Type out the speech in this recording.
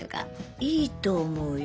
いいと思うよ。